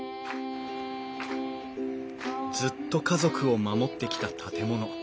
ずっと家族を守ってきた建物。